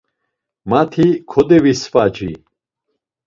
Mati kodevisvaci.